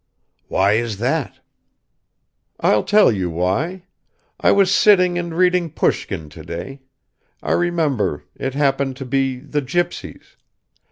"Why is that?" "I'll tell you why. I was sitting and reading Pushkin today ... I remember, it happened to be The Gypsies